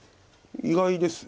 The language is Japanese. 意外です。